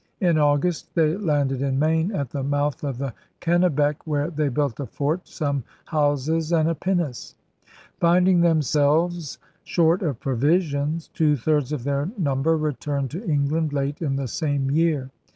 In August they landed in Maine at the mouth of the Kennebec, where they built a fort, some houses, and a pinnace. Finding themselves short of provisions, two thirds of their number returned to England late in the same year.